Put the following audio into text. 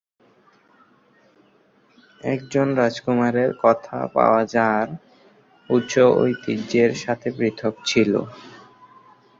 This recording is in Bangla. একজন রাজকুমারের কথা পাওয়া যাঁর উৎস ঐতিহ্যের সাথে পৃথক ছিল।